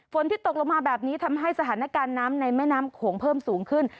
ที่ตกลงมาแบบนี้ทำให้สถานการณ์น้ำในแม่น้ำโขงเพิ่มสูงขึ้น